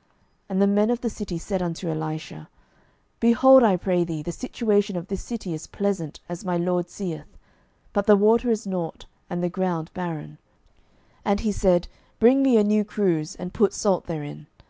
12:002:019 And the men of the city said unto Elisha, Behold, I pray thee, the situation of this city is pleasant, as my lord seeth: but the water is naught, and the ground barren. 12:002:020 And he said, Bring me a new cruse, and put salt therein.